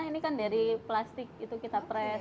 ini kan dari plastik itu kita press